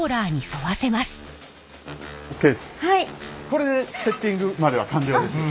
これでセッティングまでは完了です。